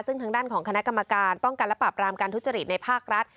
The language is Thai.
ซึ่งทางด้านของคณะกรรมการป้องกันและปราบรามการทุจริตในภาครัฐ